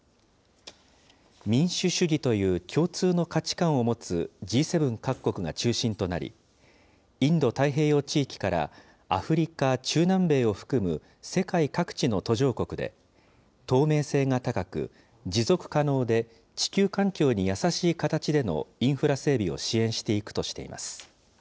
民主主義という共通の価値観を持つＧ７各国が中心となり、インド太平洋地域からアフリカ、中南米を含む世界各地の途上国で、透明性が高く、持続可能で地球環境に優しい形でのインフラ整備を支援していくとしています。